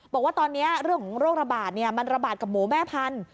บอกว่าตอนนี้เรื่องของโรคระบาดมันระบาดกับหมูแม่พันธุ